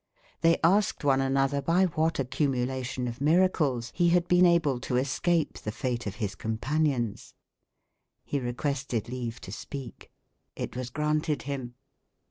They asked one another by what accumulation of miracles he had been able to escape the fate of his companions. He requested leave to speak. It was granted him.